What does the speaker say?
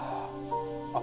ああ。